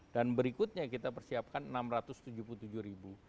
dan berikutnya kita persiapkan enam ratus tujuh puluh tujuh ribu